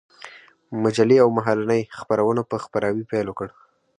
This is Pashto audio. مجلې او مهالنۍ خپرونو په خپراوي پيل وكړ.